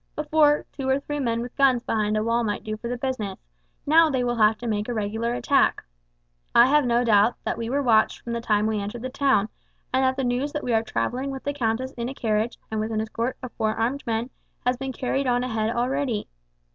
"Before, two or three men with guns behind a wall might do the business, now they will have to make a regular attack. I have no doubt that we were watched from the time we entered the town, and that the news that we are travelling with the countess in a carriage, and with an escort of four armed men, has been carried on ahead already.